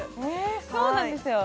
そうなんですよ